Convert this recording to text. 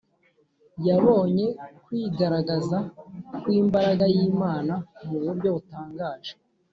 ; yabonye kwigaragaza kw’imbaraga y’Imana mu buryo butangaje